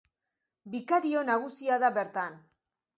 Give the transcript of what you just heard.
Bikario nagusia da bertan.